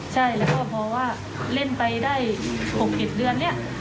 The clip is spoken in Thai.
ใช่แล้วพอว่าเล่นไปได้๖๗เดือน